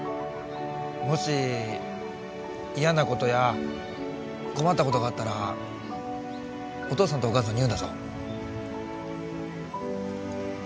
もし嫌なことや困ったことがあったらお父さんとお母さんに言うんだぞ。